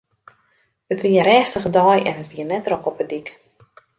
It wie in rêstige dei en it wie net drok op 'e dyk.